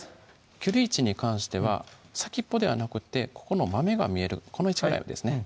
切る位置に関しては先っぽではなくってここの豆が見えるこの位置ぐらいですね